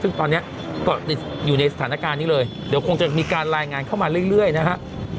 ซึ่งตอนนี้ก็ติดอยู่ในสถานการณ์นี้เลยเดี๋ยวคงจะมีการรายงานเข้ามาเรื่อยนะฮะ